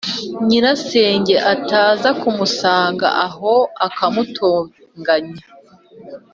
nyirasenge ataza kumusanga aho akamutonganya